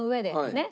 ねっ。